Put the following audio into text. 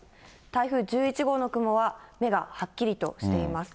台風１１号の雲は目がはっきりとしています。